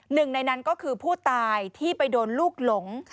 หนึ่งในนั้นก็คือผู้ตายที่ไปโดนลูกหลง